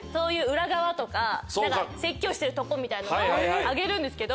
裏側とか説教してるとこみたいなのを上げるんですけど。